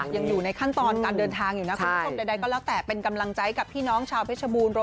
ยังอยู่ในขั้นตอนการเดินทางอยู่นะคุณผู้ชมใดก็แล้วแต่เป็นกำลังใจกับพี่น้องชาวเพชรบูรณ